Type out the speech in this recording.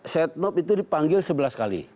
setnop itu dipanggil sebelah sekali